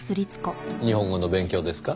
日本語の勉強ですか？